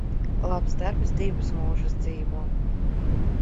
Labs darbs divus mūžus dzīvo.